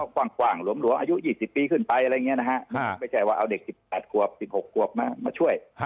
ก็กว้างหลวงอายุ๒๐ปีขึ้นไปไม่ใช่ว่าเอาเด็ก๑๘กวบ๑๖กวบมาช่วย